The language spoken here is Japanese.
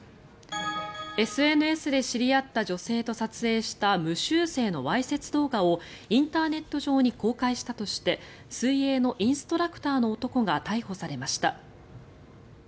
ＳＮＳで知り合った女性と撮影した無修正のわいせつ動画をインターネット上に公開したとして水泳のインストラクターの男が逮捕されました。